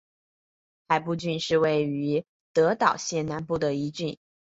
海部郡是位于德岛县南部的一郡。